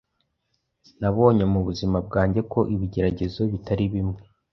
Nabonye mu buzima bwanjye ko "ibigeragezo bitari bimwe"